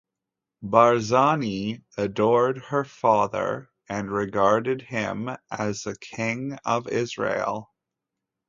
Barzani adored her father, and regarded him as a King of Israel.